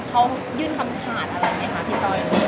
เขายื่นคำขาดอะไรไหมคะพี่ต้อย